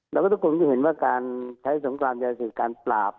แล้วก็ปุ่งต้องจะเห็นการใช้สงครามยาศิษฐ์การปราบ